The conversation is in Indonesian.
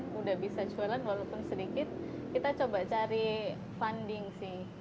sudah bisa jualan walaupun sedikit kita coba cari funding sih